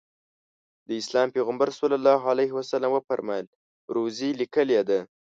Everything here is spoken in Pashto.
د اسلام پیغمبر ص وفرمایل روزي لیکلې ده.